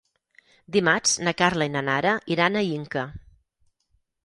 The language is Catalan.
Dimarts na Carla i na Nara iran a Inca.